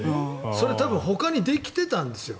それは多分ほかにできてたんですよ。